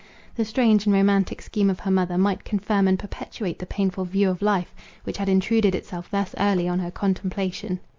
The strange and romantic scheme of her mother, might confirm and perpetuate the painful view of life, which had intruded itself thus early on her contemplation.